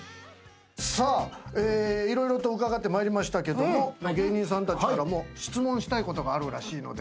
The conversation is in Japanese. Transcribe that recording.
さあ色々と伺ってまいりましたけども芸人さんたちからも質問したいことがあるらしいので。